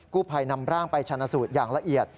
กูภัยนำร่างไปชาญสูจน์อย่างละเอียด